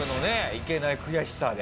行けない悔しさで。